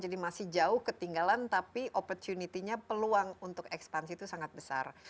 jadi masih jauh ketinggalan tapi opportunity nya peluang untuk ekspansi itu sangat besar